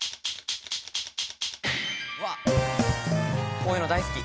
こういうの大好き。